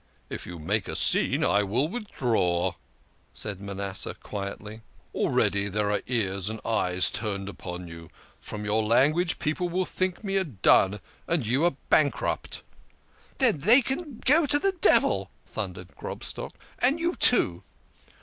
" If you make a scene I will withdraw," said Manasseh quietly. " Already there are ears and eyes turned upon you. From your language people will be thinking me a dun and you a bankrupt." " They can go to the devil !" thundered Grobstock, " and you too